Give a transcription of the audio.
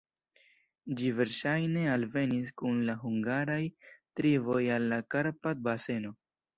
Ĝi verŝajne alvenis kun la hungaraj triboj al la Karpat-baseno.